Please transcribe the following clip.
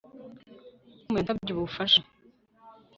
Tom yansabye ubufasha